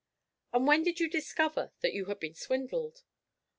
'And when did you discover that you had been swindled?'